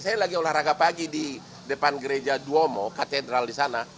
saya lagi olahraga pagi di depan gereja duomo katedral di sana